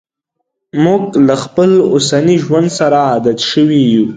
موږ له خپل اوسني ژوند سره عادت شوي یو.